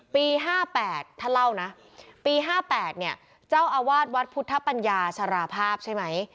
ปี๕๘ท่านเล่านะปี๕๘เนี่ยเจ้าอาวาสวัดพุทธปัญญาชราภาพใช่ไหม